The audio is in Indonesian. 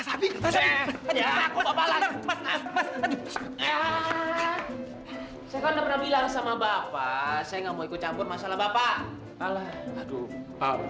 saya pernah bilang sama bapak saya nggak mau ikut campur masalah bapak ala aduh